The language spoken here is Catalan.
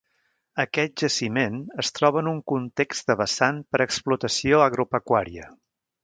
Aquest jaciment es troba en un context de vessant per explotació agropecuària.